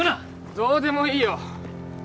どうでもいいよ